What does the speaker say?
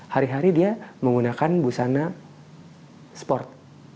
hari hari dia menggunakan busana sport